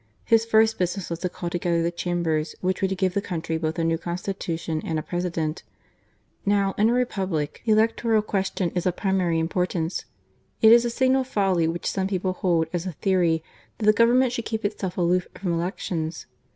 His first business was to call together the Chambers which were to give the country both a new Constitution and a President. Now, in a Republic the electoral question is of primary importance. It is a signal folly which some people hold as a theory, that a government should keep itself aloof from elections.